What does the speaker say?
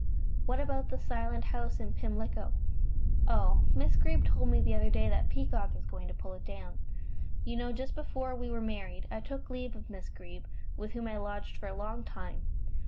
What about the Silent House in Pimlico?" "Oh, Miss Greeb told me the other day that Peacock is going to pull it down. You know, just before we were married I took leave of Miss Greeb, with whom I lodged for a long time.